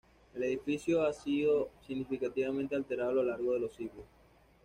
El edificio ha sido significativamente alterado a lo largo de los siglos.